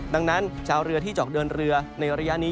ดังนั้นชาวเรือที่จะออกเดินเรือในระยะนี้